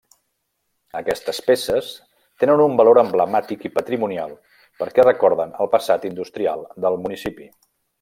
Aquestes peces tenen un valor emblemàtic i patrimonial perquè recorden el passat industrial del municipi.